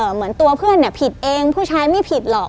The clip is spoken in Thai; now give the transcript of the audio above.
เหมือนตัวเพื่อนผิดเองผู้ชายไม่ผิดหรอก